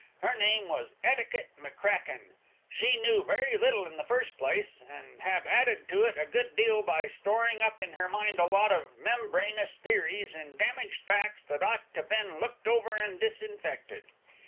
Her name was Etiquette McCracken. She knew very little in the first place, and had added to it a good deal by storing up in her mind a lot of membranous theories and damaged facts that ought to ben looked over and disinfected.